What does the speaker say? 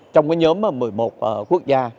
trong nhóm một mươi một quốc gia